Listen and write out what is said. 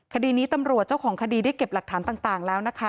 คดีนี้ตำรวจเจ้าของคดีได้เก็บหลักฐานต่างแล้วนะคะ